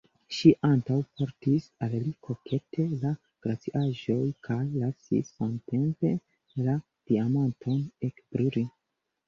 Ŝi antaŭportis al li kokete la glaciaĵon kaj lasis samtempe la diamanton ekbrili.